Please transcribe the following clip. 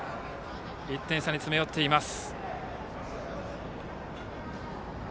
１点差に詰め寄っています。